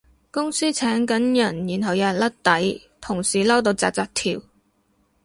公司請緊人然後有人甩底，同事嬲到紮紮跳